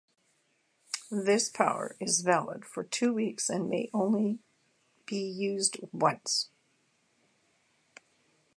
This power is valid for two weeks and may only be used once.